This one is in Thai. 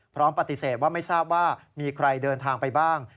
พร้อมปฏิเสธว่าไม่ทราบว่ามีใครเดินทางไปบ้าง